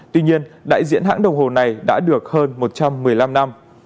tuy nhiên đại diện hãng đồng hồ này đã được hơn một trăm một mươi năm năm